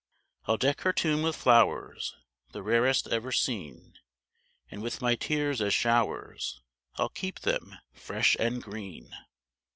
I'll deck her tomb with flowers The rarest ever seen; And with my tears as showers I'll keep them fresh and green.